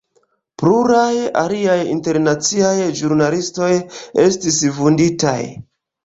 Pluraj aliaj internaciaj ĵurnalistoj estis vunditaj.